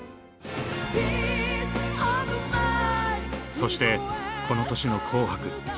そしてこの年の「紅白」。